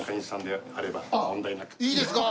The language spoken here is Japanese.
いいですか？